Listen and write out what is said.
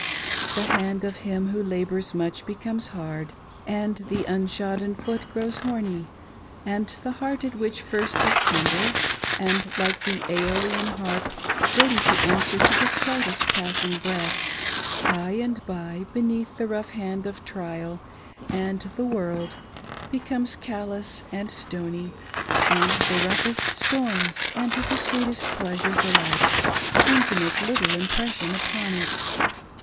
The hand' of him who labors miich becomes hard, and the unshodden foot grows horny, and the heart which at first is tender and, like the seolian harp, ready to answer to the slightest passing breath, by and by, beneatih the rough hand of trial and the world, becomes callous and stony, and the roughest storms and the sweetest pleasures alike seem to make little impression upon it.